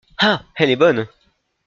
Ah ! elle est bonne !